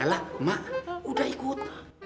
ella mak udah ikut